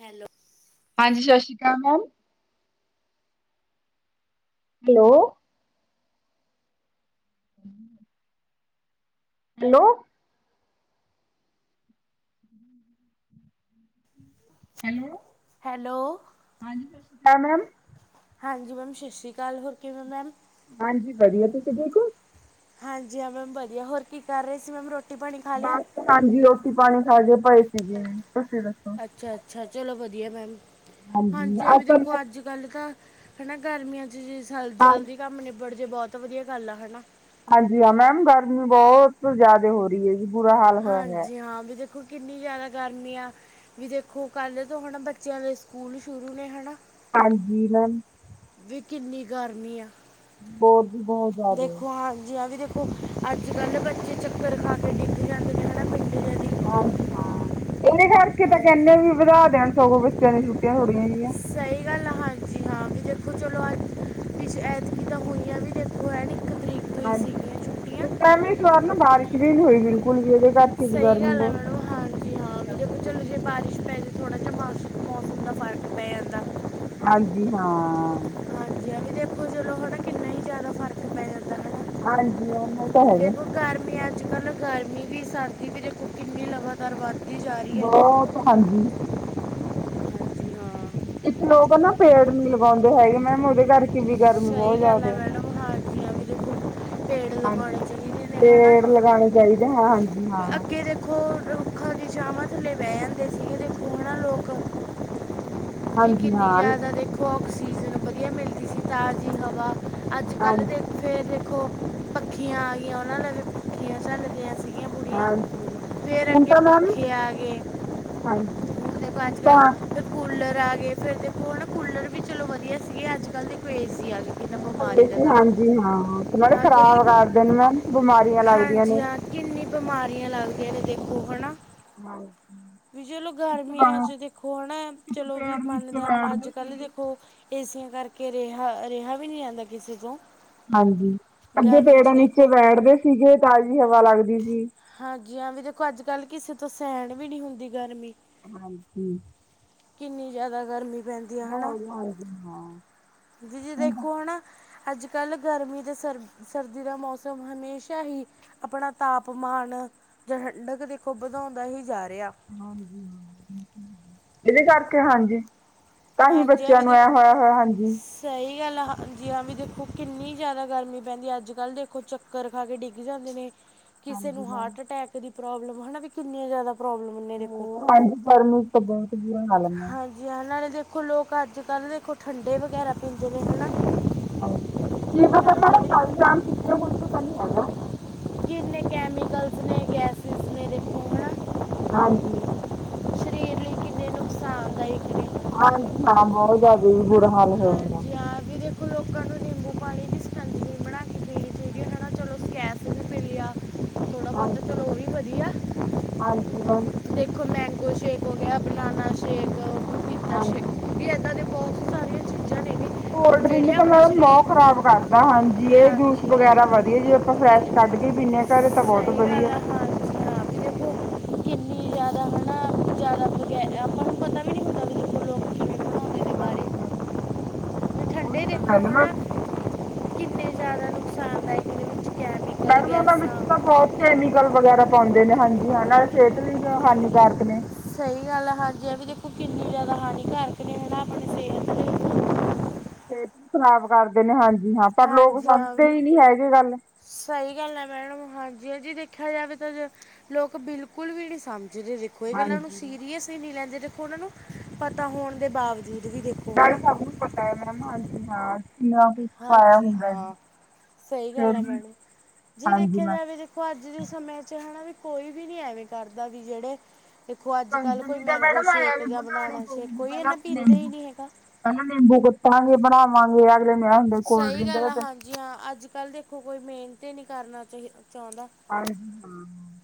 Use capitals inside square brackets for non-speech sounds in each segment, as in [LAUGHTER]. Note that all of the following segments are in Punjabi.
ਹੈਲੋ। ਹਾਂਜੀ, ਸਾਸਰੀ ਕਾਲ ma'am. Hello. [INAUDIBLE] Hello. Hello. Hello. ਹਾਂਜੀ, ਸਾਸਰੀ ਕਾਲ ਮੈਮ। ਹਾਂਜੀ ਮੈਮ ਸਸਰੀ ਕਾਲ, ਹੋਰ ਕਿਵੇਂ ਓ ਮੈਮ। ਹਾਂਜੀ ਵਦੀਆ ਤੁਸੀਂ ਠੀਕ ਓਂ। ਹਾਂਜੀ ਹਾਂ ਮੈਮ ਵਧੀਆ, ਹੋਰ ਕੀ ਕਰ ਰਏ ਸੀ ਮੈਮ ਰੋਟੀ ਪਾਨੀ ਖਾ ਲੇਆ। ਬਸ ਹਾਂਜੀ ਰੋਟੀ ਪਾਨੀ ਖਾ ਕੇ ਪਏ ਸੀਗੇ, ਤੁਸੀਂ ਦੱਸੋ ਅੱਛਾ-ਅੱਛਾ ਚਲੋ ਵਦੀਆ ਮੈਮ, ਹਾਂਜੀ ਐ ਵੀ ਅਸਲ ਵਿੱਚ ਦੇਖੋ ਅੱਜ ਗੱਲ ਤਾਂ ਹਨਾ ਗਰਮੀਆਂ ਚ ਜੇ ਹਾਂ ਜਲਦੀ ਕੰਮ ਨਿਬੜ ਜੇ ਬੋਤ ਵਦੀਆ ਗੱਲ ਆ ਹਨਾ। ਹਾਂਜੀ ਹਾਂ ਮੈਮ ਗਰਮੀ ਬੋਤ ਜਾਦੇ ਹੋ ਰਈ ਐ ਜੀ, ਬੁਰਾ ਹਾਲ ਹੋਏਆ ਪੇਆ। ਹਾਂਜੀ ਹਾਂ ਵੀ ਜੇ ਦੇਖੋ ਕਿੰਨੀ ਜਾਦਾ ਗਰਮੀ ਆ, ਵੀ ਦੇਖੋ ਕੱਲ ਤੋਂ ਹਨਾ ਬੱਚੇਆਂ ਦੇ ਸਕੂਲ ਸ਼ੁਰੂ ਨੇ ਹਨਾ। ਹਾਂਜੀ ਮੈਮ। ਵੀ ਕਿੰਨੀ ਗਰਮੀ ਆ ਬਹੁਤ ਜੀ ਬਹੁਤ ਜ਼ਿਆਦਾ ਦੇਖੋ, ਹਾਂਜੀ ਆ ਵੀ ਦੇਖੋ ਅੱਜ-ਕੱਲ ਦੇ ਬੱਚੇ ਚੱਕਰ ਖਾਦੇ ਡਿਗ ਜਾਂਦੇ। ਹਨਾ ਪਿੰਡ ਦੇ ਦੀ ਹਾਂਜੀ ਹਾਂ, ਏਦੇ ਕਰਕੇ ਤਾਂ ਹਾਂਜੀ ਕੈਂਦੇ ਵੀ ਵਧਾ ਦੇਣ ਸਗੋਂ, ਬੱਚਿਆਂ ਦੀ ਛੁੱਟੀਆਂ ਥੋੜੀਆਂ ਜੀਆਂ। ਸਈ ਗੱਲ ਆ, ਹਾਂਜੀ। ਹਾਂ ਵੀ ਦੇਖੋ ਚਲੋ ਅੱਜ ਐਦਕੀ ਤਾਂ ਹੋਈਆਂ ਵੀ ਦੇਖੋ, ਹੈ ਨੀ ਇੱਕ ਤਰੀਕ ਤੋਂ ਹੀ ਸੀਗੀਆਂ ਹਾਂਜੀ ਛੁੱਟੀਆਂ ਕੁਛ ਟੈਮ ਇਸ ਵਾਰ ਨਾ ਬਾਰਿਸ਼ ਵੀ ਨੀ ਹੋਈ ਬਿਲਕੁਲ ਵੀ ਇਦੇ ਕਰ ਸਈ ਗੱਲ ਐ ਮੈਡਮ। ਹਾਂਜੀ [INAUDIBLE] ਤੇ ਬਸ ਮੌਸਮ ਦਾ ਫ਼ਰਕ ਪੈ ਜਾਂਦਾ। ਹਾਂਜੀ ਹਾਂ। ਹਾਂਜੀ ਆ ਵੀ ਦੇਖੋ ਚਲੋ ਹਨਾ ਕਿੰਨਾ ਹੀ ਜਾਦਾ ਫ਼ਰਕ ਪੈ ਹਾਂਜੀ ਉਹਨਾਂ ਤਾਂ [UNINTELLIGIBLE] ਹੈਗਾ ਦੇਖੋ ਗਰਮਿਆਂ ਅੱਜ ਕੱਲ ਗਰਮੀ ਵੀ ਸਰਦੀ ਵੀ ਦੇਖੋ ਕਿੰਨੀ ਲਗਾਤਾਰ ਵੱਧਦੀ ਜਾ ਰੀ ਐ। ਬਹੁਤ ਹਾਂਜੀ। ਹਾਂਜੀ ਹਾਂ ਇੱਥੇ ਲੋਕ ਨਾ ਪੇੜ ਨੀ ਲਗਾਉਂਦੇ ਹੈਗੇ ਮੈਮ ਉਹਦੇ ਕਰਕੇ ਵੀ ਗਰਮੀ ਸਹੀ ਬੋਹਤ ਗੱਲ ਹੈ ਜਾਦਾ। ਮੈਡਮ ਹਾਂਜੀ ਹਾਂ ਵੀ ਬਿਲਕੁਲ। ਹਾਂਜ ਪੇੜ ਲਗਾਨੇ ਚਾਹੀਦੇ ਹਾਂ ਹਾਂਜੀ ਹਾਂ। ਖੋ ਰੁੱਖਾਂ ਦੀ ਛਾਵਾਂ ਥੱਲੇ ਬਹ ਜਾਂਦੇ ਸੀ ਗੇ ਦੇਖੋ ਹਨਾ ਲੋਕ। ਵੀ ਹਾਂਜੀ ਕਿੰਨੀ ਹਾਂ ਜਾਦਾ ਦੇਖੋ ਆਕਸੀਜਨ ਵਧੀਆ ਮਿਲਦੀ ਸੀ ਤਾਜ਼ੀ ਹਵਾ। ਅੱਜ ਕੱਲ੍ਹ ਹਾਂਜੀ ਦੇ ਫੇਰ ਦੇਖੋ ਪੱਖੀਆ ਆ ਗਈਆ ਉਹਨਾਂ ਨਾਲ ਫੇਰ ਪੱਖੀਆਂ ਝੱਲਦੀਆ ਦੀਆਂ ਬੂਰੀਆਂ ਹਾਂਜੀ ਫਿਰ ਹੁਣ ਅੱਗੇ ਤਾਂ ਮੈਮ ਪੱਖੇ ਆ ਗੇ। ਹਾਂਜੀ ਹਾਂ ਹੁਣ ਤਾਂ ਕੂਲਰ ਆ ਗੇ ਫੇਰ ਦੇਖੋ ਹਨਾ ਕੂਲਰ ਵੀ ਚਲੋ ਵਧੀਆ ਸੀਗੇ ਅੱਜ ਕੱਲ ਦੇਖੋ ਏ ਸੀ ਆ ਗੇ। ਹਾਂਜੀ ਹਾਂ ਨਾਲੇ ਅੱਗੇ ਵੀ ਖ਼ਰਾਬ ਦੇਖੋ ਕਰਦੇ ਨੇ ਮੈਮ ਬਿਮਾਰੀਆਂ ਲੱਗਦੀਆਂ ਹਾਂਜੀ ਨੇ। ਹਾਂ ਕਿੰਨੀ ਬਿਮਾਰੀਆ ਲੱਗਦੀਆ ਨੇ ਦੇਖੋ ਹਨਾ। ਹਾਂਜੀ। ਵੀ ਚਲੋ ਪਿੱਛੇ ਗਰਮੀਆਂ ਬਾ- ਚ ਪਿੱਛੇ ਦੇਖੋ ਹਨਾ ਚਲੋ ਵੀ ਪੇੜ ਨੀਚੇ ਮੰਨਦੇ ਆ ਆਪਾ ਅੱਜ ਬੈਠਦੇ ਕੱਲ ਸੀਗੇ ਦੇਖੋ ਏਸੀਆਂ ਕਰਕੇ ਰੇਹਾ-ਰੇਹਾ ਵੀ ਨੀ ਜਾਂਦਾ ਕਿਸੀ ਕੋ। ਹਾਂਜੀ ਅੱਗੇ ਪੇੜਾਂ ਨੀਚੇ ਬੈਠਦੇ ਸੀਗੇ ਤਾਜ਼ੀ ਹਵਾ ਲੱਗਦੀ ਸੀ। ਹਾਂਜੀ ਹਾਂ ਵੀ ਦੇਖੋ ਅੱਜ ਕੱਲ੍ਹ ਕਿਸੇ ਤੋਂ ਸਹਿਣ ਵੀ ਨੀ ਹੁੰਦੀ ਗਰਮੀ। ਹਾਂਜੀ। ਕਿੰਨੀ ਜਾਦਾ ਗਰਮੀ ਪੈਂਦੀ ਹੈ ਹਨਾ ਬਹੁਤ ਹਾਂਜੀ ਹਾਂ। ਜ ਜੀ ਹੁਣ ਤਾਂ ਦੇਖੋ ਹਨਾ। ਅੱਜ ਕੱਲ੍ਹ ਗਰਮੀ ਤੇ ਸਰ ਸਰਦੀ ਦਾ ਮੌਸਮ ਹਮੇਸ਼ਾ ਹੀ ਅਪਨਾ ਤਾਪ ਮਾਨ ਜਾ ਠੰਡਕ ਦੇਖੋ ਵਧਾਉਂਦਾ ਹੀ ਜਾ ਰਿਆ। ਹਾਂਜੀ ਏਦੇ ਕਰਕੇ ਹਾਂਜੀ। ਤਾਂ ਹੀ ਹਾਂਜੀ ਆ ਬੱਚਿਆਂ ਵੀ ਨੂੰ ਐ ਦੇਖੋ ਹੈ-ਹੈ ਹਾਂਜੀ। ਸਹੀ ਗੱਲ ਐ ਹਾਂਜੀ ਹਾਂ ਵੀ ਦੇਖੋ ਕਿੰਨੀ ਜਾਦਾ ਗਰਮੀ ਪੈਂਦੀ ਅੱਜ ਕੱਲ੍ਹ ਦੇਖੋ ਚੱ-‍- ਕਰ ਖਾ ਕੇ ਡਿੱਗ ਜਾਂਦੇ ਨੇ ਕਿਸੇ ਹਾਂਜੀ ਨੂੰ ਮੈਮ। ਹਾਰਟ ਅਟੈਕ ਦੀ ਪ੍ਰੋਬਲਮ ਹਨਾ ਵੀ ਕਿੰਨੀਆਂ ਜਾਦਾ ਪ੍ਰੋਬਲਮ ਨੇ ਦੇਖੋ ਹਾਂਜੀ ਗਰਮੀ ਚ ਤੇ ਬੋਹਤ ਬੁਰਾ ਹਾਲ ਹੈ ਮੈਮ। ਜੀ ਹਾਂ ਨਾਲੇ ਦੇਖੋ ਲੋਕ ਅੱਜ ਕੱਲ੍ਹ ਦੇਖੋ ਠੰਡੇ ਵਗੈਰਾ ਪੀਂਦੇ ਨੇ ਹਨਾ। ਹਾਂਜੀ ਹਾਂ ਵੀ ਦੇਖੋ [UNINTELLIGIBLE] ਕਿੰਨੇ ਕੈਮੀਿਕਲਸ ਨੇ ਗੈਸਿਸ ਨੇੇ ਦੇਖੋ ਹਨਾ। ਹਾਂਜੀ। ਸਰੀਰ ਲੀ ਕਿਨੇ ਨੁਕਸਾਨਦਾਇਕ ਨੇ। ਹਾਂਜੀ ਹਾਂ ਬੌਤ ਜਾਦਾ ਵੀ ਬੁਰਾ ਹਾਲ ਹੋਏਗਾ। ਹਾਂਜੀ ਹਾਂ ਵੀ ਦੇਖੋ ਲੋਕਾਂ ਨੂੰ ਨਿੰਬੂ ਪਾਣੀ ਵੀ ਸਕੰਜਵੀ ਸੀ ਬਨਾ ਕੇ ਪੀਣੀ ਚਾਹੀਦੀ ਏ ਹਨਾ ਚਲੋ [UNINTELLIGIBLE] ਥੋੜ੍ਹਾ ਬਹੁਤਾ ਹਾਂਜੀ, ਚਲੋ ਉਹ ਵੀ ਵਧੀਆ ਹਾਂਜੀ ਮੈਮ। ਦੇਖੋ ਮੈਂਗੋ ਸ਼ੇਕ ਹੋ ਗਿਆ, ਬਨਾਨਾ ਸ਼ੇਕ, ਪਪੀਤਾ ਸ਼ੇਕ ਹਾਂਜੀ। ਵੀ ਇੱਦਾਂ ਦੇ ਬਹੁਤ [INAUDIBLE] ਕੋਲਡ ਡ੍ਰਿੰਕ ਜਿਹੜੀਆਂ ਤਾਂ ਆਪਣੇ ਪਹਿਲੇ ਨਾਂ ਸਰੀਰ ਨੂੰ ਖ਼ਰਾਬ ਕਰਦਾ। ਹਾਂਜੀ ਇਹ ਜੂਸ ਹਾਂਜੀ ਹਾਂ ਵਗੈਰਾ ਵਧੀਆ, ਜੇ ਆਪਾਂ ਫਰੈਸ਼ ਕੱਢ ਕੇ ਪੀਦੇ ਹਾਂ ਘਰੇ ਤਾਂ ਬਹੁਤ ਸਹੀ ਗੱਲ ਵਧੀਆ। ਆ ਹਾਂਜੀ ਹਾਂ ਵੀ ਦੇਖੋ [UNINTELLIGIBLE] ਵੀ ਨਹੀਂ ਹੁੰਦਾ ਵੀ ਦੇਖੋ ਲੋਕ ਕਿਵੇਂ ਬਣਾਉਂਦੇ ਨੇ ਬਾਰੇ ਹਾਂਜੀ, ਹਾਂਜੀ ਤੇ ਠੰਡੇ ਓਹੀ ਤਾਂ ਦੇਖੋ ਗੱਲ ਏ ਹਨਾ ਬੱਸ। ਕਿੰਨੇ ਜ਼ਿਆਦਾ ਨੁਕਸਾਨਦਾਇਕ ਨੇ ਵਿੱਚ ਕੈਮੀਕਲ ਮੈਡਮ, ਉਹਨਾਂ ਵਿੱਚ ਗੈਸਾਂ ਤਾਂ ਬਹੁਤ ਕੈਮੀਕਲ, ਵਗੈਰਾ ਪਾਉਂਦੇ ਨੇ, ਹਾਂਜੀ ਹਾਂ ਨਾਲੇ ਸਿਹਤ ਲਈ ਹਾਨੀਕਾਰਕ ਨੇ। ਸਹੀ ਗੱਲ ਹੈ ਹਾਂਜੀ, ਇਹ ਵੀ ਦੇਖੋ ਕਿੰਨੀ ਜ਼ਿਆਦਾ ਹਾਨੀਕਾਰਕ ਨੇ ਹੈਨਾ। ਆਪਣੀ ਸਿਹਤ ਤੇ। ਸਿਹਤ ਖਰਾਬ ਕਰਦੇ ਨੇ ਹਾਂਜੀ ਹਾਂ। ਪਰ ਲੋਕ ਹਾਂਜੀ ਆ ਗਏ। ਸਮਝਦੇ ਹੀ ਨਹੀਂ ਹੈਗੇ ਗੱਲ ਸਹੀ ਗੱਲ ਹੈ, ਮੈਡਮ ਹਾਂਜੀ ਜੀ ਦੇਖਿਆ ਜਾਵੇ ਤਾਂ ਲੋਕ ਬਿਲਕੁਲ ਵੀ ਨੀ ਸਮਝਦੇ ਜੇ। ਕੋਈ ਗੱਲ ਏ, ਨੂੰ ਹਾਂਜੀ ਸੀਰੀਅਸ ਹੀ ਨਹੀਂ ਲੈਂਦੇ, ਦੇਖੋ ਉਹਨਾਂ ਨੂੰ ਪਤਾ ਹੋਣ ਦੇ ਬਾਵਜੂਦ ਵੀ ਦੇਖੋ। ਹੈ ਨਾਲ ਨਾ ਸਭ ਨੂੰ ਪਤਾ ਹੈ ਮੈ ਹਾਂਜੀ ਹਾਂ। [INAUDIBLE] ਹਾਂਜੀ, ਹੁੰਦਾ ਜੀ ਹਾਂ ਸਹੀ ਫਿਰ ਗੱਲ ਹੈ ਵੀ ਮੈਡਮ, ਜੀ ਹਾਂਜੀ ਦੇਖਿਆ ਮੈਮ ਜਾਵੇ ਜੇ ਦੇਖੋ। ਅੱਜ ਦੇ ਸਮੇਂ ਚ ਹੈਨਾ, ਵੀ ਕੋਈ ਵੀ ਨੀ ਐਵੇਂ ਕਰਦਾ ਵੀ ਜਿਹੜੇ ਦੇਖੋ। ਅੱਜ ਕੱਲ ਕੋਈ ਕੰਜਮੀ ਤਾਂ ਮੈਂਗੋ ਮੈਡਮ ਆਇਆ ਸ਼ੇਕ ਵੀ ਜਾਂ, ਬਣਾਉਣੀ ਬਣਾਣਾ ਸ਼ੇਕ, ਕੋਈ ਇਹਨਾ ਪੀਂਦੇ ਹੀ ਨਹੀਂ ਹੈਗਾ। ਹੈਨਾ ਨਿੰਬੂ ਕੁੱਟਾਂਗੇ ਬਣਾਵਾਂਗੇ ਅਗਲੇ ਨੂੰ ਇਹ ਹੁੰਦੇ ਕੋਲਡੀਰੀਨ ਜੀ ਹਾਂ ਅੱਜ ਕੱਲ੍ਹ ਦੇਖੋ। ਕੋਈ ਮਿਹਨਤ ਨਹੀਂ ਕਰਨਾ ਚਾਹੀ ਚਾਹੁੰਦਾ। ਹਾਂਜੀ ਹਾਂ [UNINTELLIGIBLE]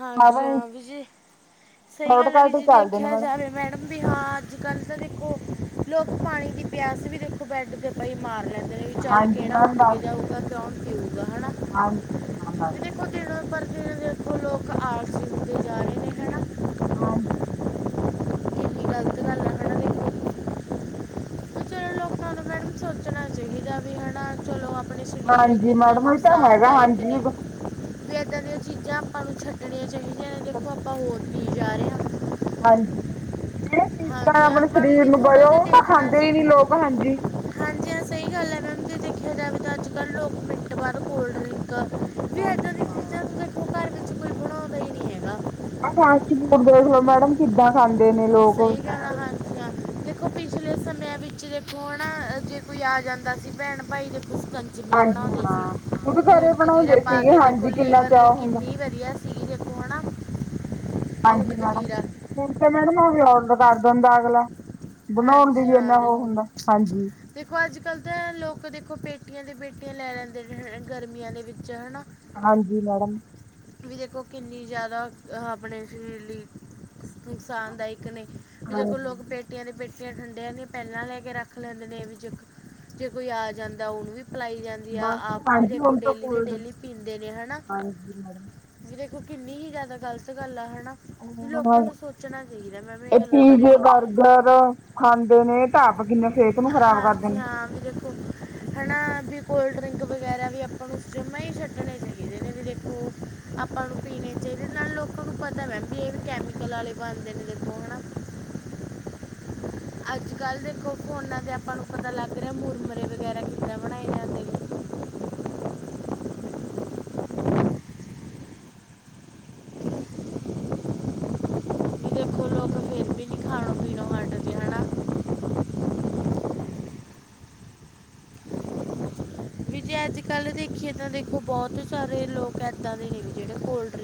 ਹਾਂਜੀ ਸਾਰੇ ਹਾਂ ਵੀਰ ਜੀ, ਸਹੀ ਗੱਲ ਹੈ। ਵੀਰ ਸ਼ੋਰਟਕੱਟ ਹੀ ਜੀ ਚੱਲਦੇ ਨੇ ਦੇਖਿਆ ਮੈਡਮ ਜਾਵੇ ਮੈਂ ਬਿ ਹਾਂ ਅੱਜ ਕੱਲ੍ਹ ਤਾਂ ਦੇਖੋ। ਲੋਕ ਪਾਣੀ ਦੀ ਪਿਆਸ ਵੀ ਦੇਖੋ। ਬੈਡ ਤੇ ਪਏ ਮਾਰ ਲੈਂਦੇ ਨੇ ਵੀ ਕੇੜਾ ਚੱਲ ਹਾਂਜੀ ਕਿਹੜਾ ਉੱਠ ਮੈਮ ਕੇ ਬਸ ਜਾਊਗਾ। ਕੌਣ ਪੀਊਗਾ ਹੈਨਾ। ਹਾਂਜੀ ਆ [INAUDIBLE] ਦੇਖੋ, ਦਿਨ ਪਰ ਦਿਨ ਦੇਖੋ ਲੋਕ ਆਲਸੀ। ਹੋਦੇ ਜਾ ਰਹੇ ਨੇ ਹੈਨਾ। ਹਾਂਜੀ ਕੀ ਗਲਤ ਗੱਲ ਹੈਣਾ ਦੇਖੋ ਤੁਸੀਂ [UNINTELLIGIBLE] ਚਲ ਲੋਕਾਂ ਨੂੰ ਮੈਡਮ, ਸੋਚਣਾ ਚਾਹੀਦਾ ਵੀ ਹੈਨਾ। ਚਲੋ, ਆਪਣੇ ਸਰੀਰ ਲਈ ਹਾਂਜੀ ਕਿੰਨਾ ਮੈਡਮ ਇਹ ਤਾਂ ਹੈਗਾ ਨੁਕਸਾਨਦਾਇਕ ਹਾਂਜੀ ਨੇ। ਵੀ ਇਦਾਂ ਦੀਆਂ ਚੀਜ਼ਾਂ, ਆਪਾਂ ਨੂੰ ਛੱਡਣੀਆਂ ਚਾਹੀਦੀਆਂ ਨੇ। ਦੇਖੋ ਆਪਾਂ ਹੋਰ ਪੀ ਜਾ ਰਹੇ ਹਾਂ। ਹਾਂਜੀ, ਜਿਹੜੀਆਂ ਚੀਜ਼ਾਂ, ਹਾਂਜੀ ਆਪਣੇ ਆਪਾਂ ਸਰੀਰ ਵੀ ਨੂੰ ਥੋੜਾ ਗਯਓ। ਜਿਹਾ ਉਹ ਤਾਂ ਖਾਂਦੇ ਦੇਖਣਾ ਹੀ ਨੀ ਲੋਕ ਹਾਂਜੀ ਹਾਂਜੀ, ਹਾਂ ਸਹੀ ਗੱਲ ਹੈ। ਮੈਮ ਜੇ ਦੇਖਿਆ ਜਾਵੇ ਤਾਂ ਅੱਜ ਕੱਲ੍ਹ ਲੋਕ ਮਿੰਟ ਬਾਦ ਕੋਲਡੀਡਿੰਕ ਹਾਂਜੀ ਹਾਂ। ਇਹਦੇ ਚ ਕੋਈ ਬਣਾਉਂਦਾ ਹੀ ਨਹੀਂ ਹੈਗਾ। ਆ ਫਾਸਟ ਫੂਡ, ਦੇਖਲੋ ਮੈਡਮ ਕਿੱਦਾਂ ਖਾਂਦੇ ਨੇ ਲੋਕ। ਸਹੀ ਗੱਲ ਆ ਹਾਂਸੀਆਂ, ਦੇਖੋ ਪਿਛਲੇ ਸਮਿਆਂ ਵਿੱਚ। ਜੀ ਦੇਖੋ ਨਾ, ਜੇ ਕੋਈ ਆ ਜਾਂਦਾ ਸੀ ਭੈਣ ਭਾਈ ਦੇ ਪੁਸਕਣ ਹਾਂਜੀ ਬਣਾਉਂਦੇ ਸੀ। ਹਾਂ ਖੁਦ ਘਰੇ ਗੋਦਂ ਕਤੀਰਾ ਬਣਾਉਂਦੇ ਸੀਗੇ ਪਾਕੇ ਦੇਖੋ ਹਾਂਜੀ ਕਿੰਨਾ ਲੀਵਰ ਲਈ ਚਾਅ ਹੁੰਦਾ ਕਿੰਨੀ ਵ ਦਿਆ ਸੀ। ਦੇਖੋ ਹੈਨਾ ਹਾਂਜੀ ਮੈਡਮ ਹੁਣ ਤੇ ਮੈਡਮ ਅਗਲਾ ਔਡਰ ਕਰ ਦੇਂਦਾ ਅਗਲਾ। ਬਣਾਉਣ ਦੀ ਹਾਂਜੀ ਵੀ ਹਾਂ ਇਨਾਂ ਦੇ- ਉਹ ਹੁੰਦਾ। ਹਾਂਜੀ ਦੇਖੋ ਅੱਜ ਕੱਲ੍ਹ ਤਾਂ ਲੋਕ, ਦੇਖੋ ਪੇਟੀਆਂ ਦੀ ਪੇਟੀਆਂ ਲੈ ਲੈਂਦੇ ਨੇ। ਗਰਮੀਆਂ ਦੇ ਵਿੱਚ ਹੈ ਨਾ। ਹਾਂਜੀ, ਮੈਡਮ ਵੀ ਦੇਖੋ ਕਿੰਨੀ ਜ਼ਿਆਦਾ ਆਪਣੇ ਸਰੀਰ ਲਈ ਨੁਕਸਾਨਦਾਇਕ ਨੇ। ਜਦੋਂ ਹਾਂਜੀ ਲੋਕ ਪੇਟੀਆਂ ਦੇ ਪੇਟੀਆਂ ਠੰਡਿਆਂ ਦੀਆਂ ਪਹਿਲਾਂ ਲੈ ਕੇ ਰੱਖ ਲੈਂਦੇ ਨੇ। ਜੇ ਕੋਈ ਆ ਜਾਂਦਾ ਉਹਨੂੰ ਵੀ ਪਿਲਾਈ ਜਾਂਦੀ ਆ ਬਸ ਆਪ ਵੀ ਹਾਂਜੀ ਦੇਖੋ ਹੁਣ ਤਾਂ ਡੇਲੀ ਤੇ ਕੋਲਡ ਡੇਲੀ ਪੀਂਦੇ ਨੇ। ਹਨਾ। ਹਾਂਜੀ, ਹਾਂ। ਦੇਖੋ ਕਿੰਨੀ ਹੀ ਜ਼ਿਆਦਾ ਗ਼ਲਤ ਗੱਲ ਆ ਹਨਾ। ਵੀ ਲੋਕਾਂ ਨੂੰ ਸੋਚਣਾ ਚਾਹੀਦਾ ਮੈਮ ਇਹ ਗੱਲਾਂ ਬਾਰੇ ਪੀਜ਼ੇ, ਵੀ ਬਰਗਰ ਖਾਂਦੇ ਨੇ। ਆਪ ਕਿੰਨੇ ਸਿਹਤ ਨੂੰ ਖਰਾਬ ਕਰਦੇ ਹਾਂਜੀ ਨੇ। ਹਾਂ ਵੀ ਦੇਖੋ। ਹਨਾ, ਵੀ ਕੋਲਡ ਡਰਿੰਕ ਵਗੈਰਾ ਵੀ ਆਪਾਂ ਨੂੰ ਉਸ ਜਮਾ ਹੀ ਛੱਡਣੇ ਚਾਹੀਦੇ ਨੇ ਵੀ ਦੇਖੋ। ਆਪਾਂ ਨੂੰ ਪੀਣੇ ਚਾਹੀਦੇ ਨਾਲ ਲੋਕਾਂ ਨੂੰ ਪਤਾ ਵੈ ਵੀ ਇਹ ਵੀ ਕੈਮੀਕਲ ਵਾਲੇ ਬਣਦੇ ਨੇ ਦੇਖੋ ਹਨਾ। ਅੱਜ ਕੱਲ੍ਹ ਦੇਖੋ ਫੋਨਾਂ ਤੇ ਆਪਾਂ ਨੂੰ ਪਤਾ ਲੱਗ ਰਿਹਾ ਮੁਰਮੁਰਰੇ ਵਗੈਰਾ ਕਿੱਦਾਂ ਬਣਾਏ ਨੇ। ਜਾਂਦੇ ਵੀ ਦੇਖੋ ਲੋਕ ਫਿਰ ਵੀ ਨਹੀਂ ਖਾਣੋ ਪੀਣੋ ਹਟਦੇ ਹਨਾ ਵੀ ਜੇ ਅੱਜ ਕੱਲ੍ਹ ਦੇਖੀਏ ਤਾਂ ਦੇਖੋ ਬਹੁਤ ਸਾਰੇ ਲੋਕ ਇੱਦਾਂ ਦੇ ਨੇ ਜਿਹੜੇ ਕੋਲਡ ਡਰਿੰਕ